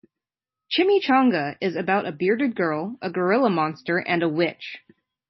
"Chimichanga" is about a bearded girl, a gorilla monster and a witch.